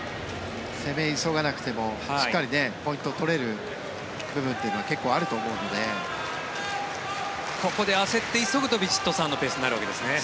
攻め急がなくてもしっかりポイントを取れる部分というのはここで焦って急ぐとヴィチットサーンのペースになるんですね。